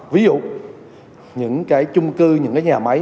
ví dụ những cái chung cư những cái nhà máy